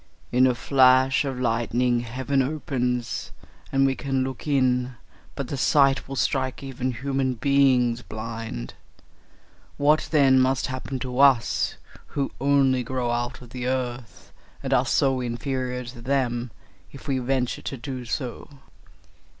In a flash of lightning heaven opens, and we can look in; but the sight will strike even human beings blind. What then must happen to us, who only grow out of the earth, and are so inferior to them, if we venture to do so?"